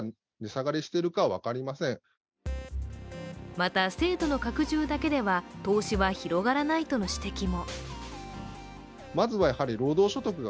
また、制度の拡充だけでは投資は広がらないとの指摘も。